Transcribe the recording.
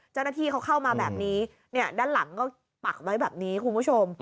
เจ้าหน้าที่เขาเข้ามาแบบนี้เนี่ยด้านหลังก็ปักไว้แบบนี้คุณผู้ชม